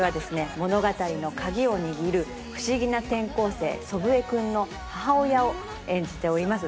物語の鍵を握る不思議な転校生祖父江くんの母親を演じております